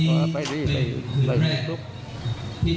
ก็ไปที่ไปที่ทุกคน